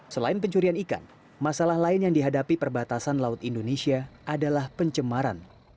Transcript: selain pencurian ikan masalah lain yang dihadapi perbatasan laut indonesia adalah pencemaran